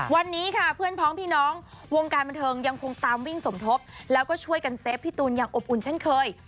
วันนี้ค่ะเพื่อนพร้อมพี่น้องวงการผู้ชมยังตามวิ่งสมทบและช่วยกัญเซฟพี่ตูนอบอุ่นเช่นเคย